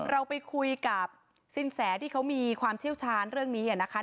เราไปคุยกับสินแสที่เขามีความเชี่ยวชาญเรื่องนี้นะคะ